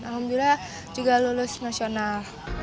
alhamdulillah juga lulus nasional